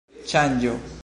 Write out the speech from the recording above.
ŝanĝo